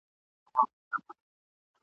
په عمر د پښتو ژبي یو شاعر !.